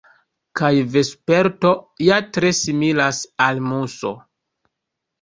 Kaj vesperto ja tre similas al muso.